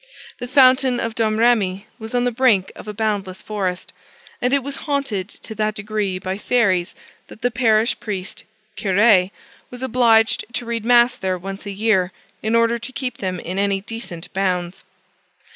The fountain of Domrémy was on the brink of a boundless forest; and it was haunted to that degree by fairies that the parish priest (curé) was obliged to read mass there once a year, in order to keep them in any decent bounds.